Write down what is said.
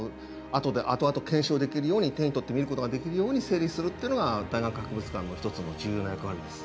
後で後々検証できるように手に取って見ることができるように整理するっていうのが大学博物館の一つの重要な役割です。